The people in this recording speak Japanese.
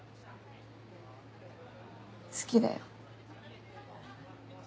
好きだよ。